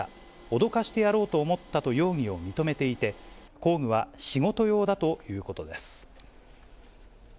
脅かしてやろうと思ったと容疑を認めていて、工具は仕事用だということです。